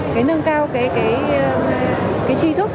cái nâng cao cái chi thức